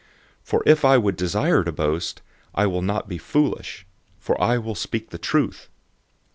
012:006 For if I would desire to boast, I will not be foolish; for I will speak the truth.